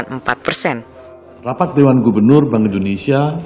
untuk memelihara momentum pertumbuhan ekonomi